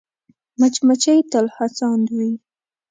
مچمچۍ تل هڅاند وي